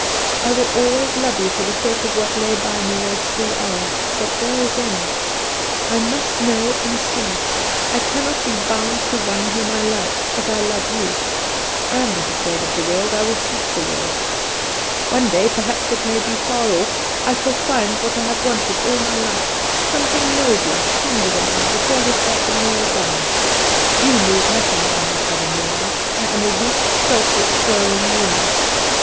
I will always love you for the sake of what lay by me those three hours; but there it ends. I must know and see, I cannot be bound to one whom I love as I love you. I am not afraid of the world I will fight the world. One day perhaps it may be far off I shall find what I have wanted all my life; something nobler, stronger than I, before which I can kneel down. You lose nothing by not having me now; I am a weak, selfish, erring woman.